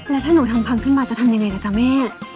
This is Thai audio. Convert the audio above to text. แล้วถ้าหนูทำพังขึ้นมาจะทำยังไงล่ะจ๊ะแม่